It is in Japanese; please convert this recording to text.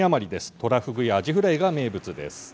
トラフグやアジフライが名物です。